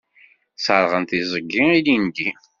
Sserɣen tiẓgi ilindi.